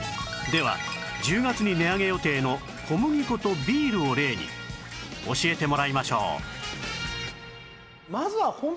では１０月に値上げ予定の小麦粉とビールを例に教えてもらいましょう